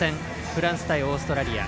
フランス対オーストラリア。